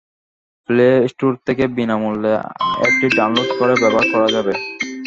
Play store থেকে বিনা মূল্যে অ্যাপটি ডাউনলোড করে ব্যবহার করা যাবে।